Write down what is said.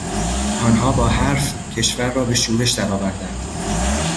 آنها با حرف کشور را به شورش در آوردند.